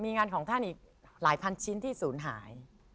มีงานของท่านอีกหลายพันชิ้นที่ศูนย์หาย